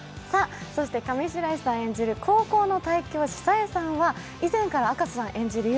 上白石さん演じる高校の体育教師、紗枝さんは以前から赤楚さん演じる優